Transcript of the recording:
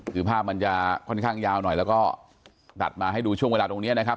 คือภาพมันจะค่อนข้างยาวหน่อยแล้วก็ตัดมาให้ดูช่วงเวลาตรงนี้นะครับ